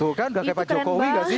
tuh kan gak kaya pak jokowi gak sih